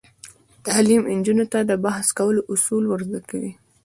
تعلیم نجونو ته د بحث کولو اصول ور زده کوي.